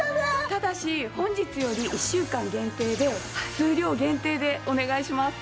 ただし本日より１週間限定で数量限定でお願いします。